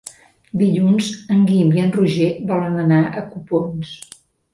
Dilluns en Guim i en Roger volen anar a Copons.